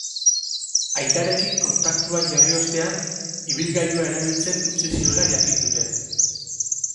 Aitarekin kontaktuan jarri ostean, ibilgailua erabiltzen utzi ziola jakin dute.